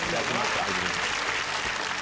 ありがとうございます。